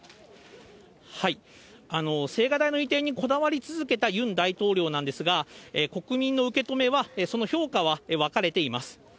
青瓦台の移転にこだわり続けたユン大統領なんですが、国民の受け止めは、その評価は分かれています。